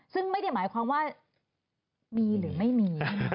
ซึ่งไม่ได้หมายความว่ามีหรือไม่มี